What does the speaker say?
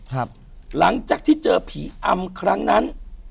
หลังจากที่เจอผีอำครั้งนั้น